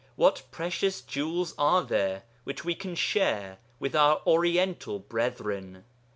What precious jewels are there which we can share with our Oriental brethren?